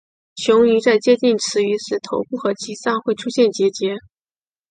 雄鱼在接近雌鱼时头部和鳍上会出现结节。